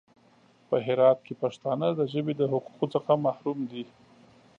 په هرات کې پښتانه د ژبې د حقوقو څخه محروم دي.